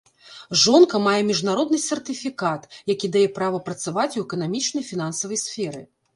Жонка мае міжнародны сертыфікат, які дае права працаваць у эканамічнай і фінансавай сферы.